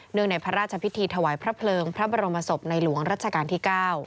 ในพระราชพิธีถวายพระเพลิงพระบรมศพในหลวงรัชกาลที่๙